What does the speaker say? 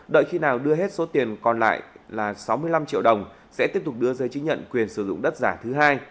đợi khi nào đưa hết số tiền còn lại là sáu mươi năm triệu đồng sẽ tiếp tục đưa giấy chứng nhận quyền sử dụng đất giả thứ hai